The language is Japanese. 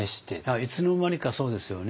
いつの間にかそうですよね。